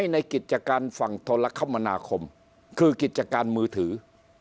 ในกิจการฝั่งโทรคมนาคมคือกิจการมือถือ